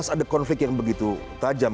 dua ribu empat belas ada konflik yang begitu tajam